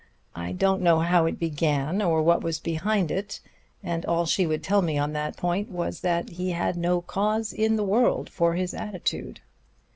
I don't know how it began or what was behind it; and all she would tell me on that point was that he had no cause in the world for his attitude.